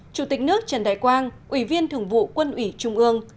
chủ tịch nước trần đại quang ủy viên thường vụ quân ủy trung ương